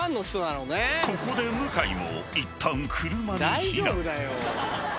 ［ここで向井もいったん車に避難］